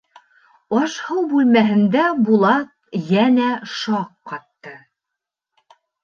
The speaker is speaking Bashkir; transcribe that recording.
Аш-Һыу бүлмәһендә Булат йәнә шаҡ ҡатты.